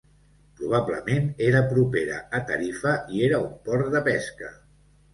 Probablement era propera a Tarifa i era un port de pesca.